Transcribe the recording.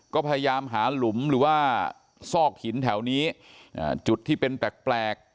ก็พยายามหาหลุมหรือว่าซอกหินแถวนี้จุดที่เป็นแปลก